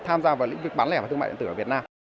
tham gia vào lĩnh vực bán lẻ và thương mại điện tử ở việt nam